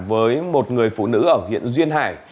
với một người phụ nữ ở huyện duyên hải